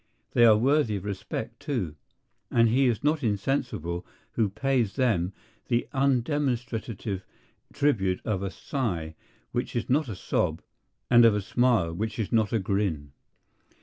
They are worthy of respect, too. And he is not insensible who pays them the undemonstrative tribute of a sigh which is not a sob, and of a smile which is not a grin.